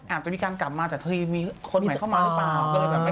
อาจจะมีการกลับมาแต่เธอมีคนใหม่เข้ามาหรือเปล่า